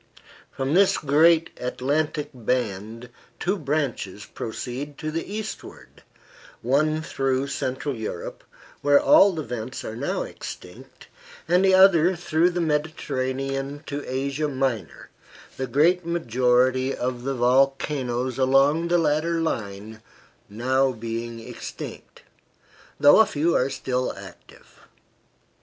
From this great Atlantic band two branches proceed to the eastward, one through Central Europe, where all the vents are now extinct, and the other through the Mediterranean to Asia Minor, the great majority of the volcanoes along the latter line being now extinct, though a few are still active.